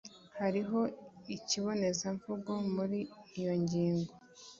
Hariho ikibonezamvugo muri iyo ngingo